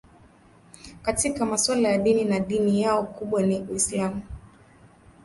Katika masuala ya dini na dini yao kubwa ni Uislamu